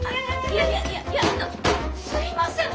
いやいやいやいやあのすいません！